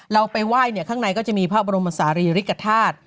เราไปไหว้ข้างในก็จะมีพระบรมสาหรี่ริกษ์กับท่าท